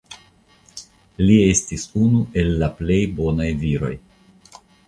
Li estis unu el la plej bonaj viroj.